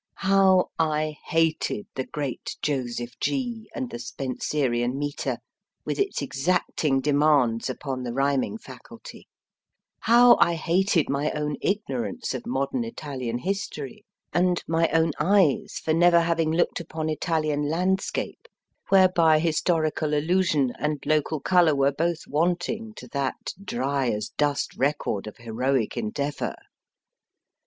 How I hated the great Joseph G. and the Spenserian metre, with its exacting demands upon the rhyming faculty ! How I hated my own ignorance of modern Italian history, and my own eyes for never having looked upon Italian landscape, whereby historical allusion and local colour were both THE ORANGERY wanting to that dry as dust record of heroic endeavour